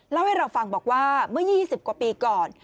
เล่าให้เราฟังบอกว่าเมื่อ๒๐กว่าปีก่อน